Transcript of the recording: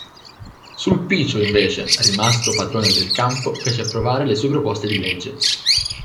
Sulpicio, invece, rimasto padrone del campo, fece approvare le sue proposte di legge.